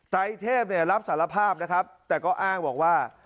ไรเทพเนี่ยรับสารภาพนะครับแต่ก็อ้างบอกว่า